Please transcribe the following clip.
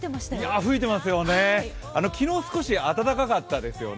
吹いていますよね、昨日少し暖かかったですよね。